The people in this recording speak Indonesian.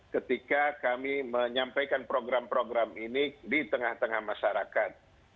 ketika kami menyampaikan program program ini di tengah tengah masyarakat